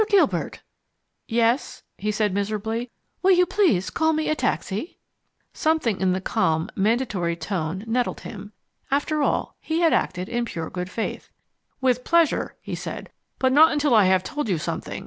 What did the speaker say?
Gilbert!" "Yes?" he said miserably. "Will you please call me a taxi?" Something in the calm, mandatory tone nettled him. After all, he had acted in pure good faith. "With pleasure," he said, "but not until I have told you something.